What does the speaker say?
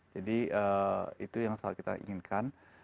jadi itu yang salah satu kita inginkan